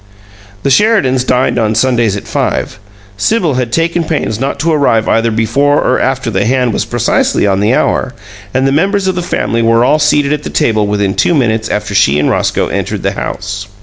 The Sheridans dined on Sundays at five. Sibyl had taken pains not to arrive either before or after the hand was precisely on the hour; and the members of the family were all seated at the table within two minutes after she and Roscoe had entered the house.